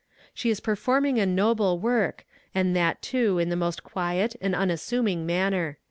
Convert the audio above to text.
"She is performing a noble work, and that too in the most quiet and unassuming manner."